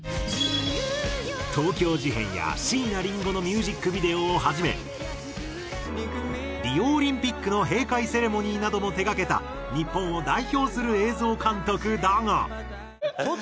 東京事変や椎名林檎のミュージックビデオをはじめリオオリンピックの閉会セレモニーなども手がけた日本を代表する映像監督だが。